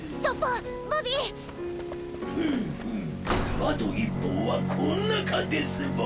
あと１本はこんなかですばい！